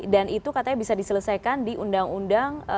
dan itu katanya bisa diselesaikan di undang undang